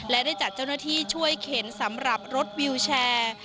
และได้จัดเจ้าหน้าที่ช่วยเข็นสำหรับรถวิวแชร์